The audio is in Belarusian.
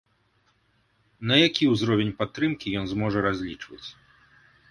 На які ўзровень падтрымкі ён зможа разлічваць?